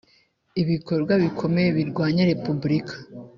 ibikorwa bikomeye birwanya Repubulika